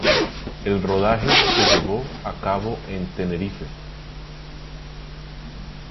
El rodaje se llevó a cabo en Tenerife.